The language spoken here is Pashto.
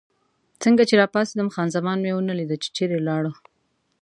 څنګه چې راپاڅېدم، خان زمان مې ونه لیدله، چې چېرې ولاړه.